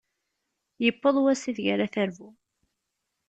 Yewweḍ wass ideg ara terbu.